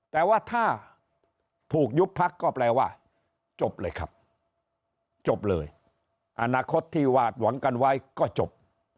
แต่ว่าถ้าถูกยุบพักก็แปลว่าจบเลยครับจบเลยอนาคตที่วาดหวังกันไว้ก็จบ